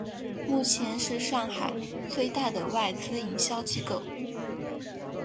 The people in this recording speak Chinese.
目前是上海最大的外资营销机构。